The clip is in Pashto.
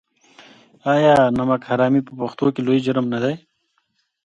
آیا نمک حرامي په پښتنو کې لوی جرم نه دی؟